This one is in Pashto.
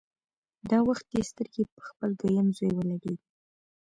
دا وخت يې سترګې په خپل دويم زوی ولګېدې.